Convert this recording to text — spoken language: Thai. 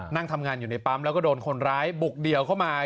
นั่งทำงานอยู่ในปั๊มแล้วก็โดนคนร้ายบุกเดี่ยวเข้ามา